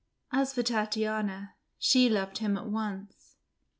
As for Tatiana, she loved him at once.